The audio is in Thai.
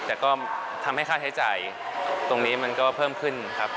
แต่ก็ทำให้ค่าใช้จ่ายตรงนี้มันก็เพิ่มขึ้นครับ